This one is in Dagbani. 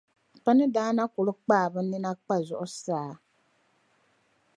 Bɛ ni daa na kul kpaai bɛ nina kpa zuɣusaa.